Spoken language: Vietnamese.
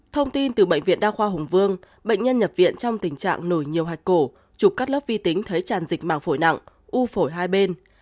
thông tin từ bệnh viện đa khoa hùng vương bệnh nhân nhập viện trong tình trạng nổi nhiều hạch cổ chụp cắt lớp vi tính thấy tràn dịch màng phổi nặng u phổi hai bên